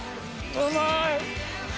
うまーい。